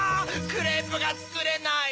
クレープがつくれない！